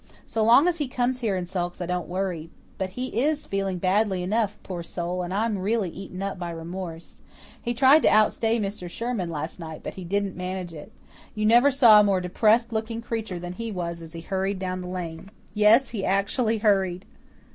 So long as he comes here and sulks I don't worry. But he is feeling badly enough, poor soul, and I'm really eaten up by remorse. He tried to outstay Mr. Sherman last night, but he didn't manage it. You never saw a more depressed looking creature than he was as he hurried down the lane. Yes, he actually hurried."